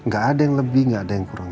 gak ada yang lebih nggak ada yang kurang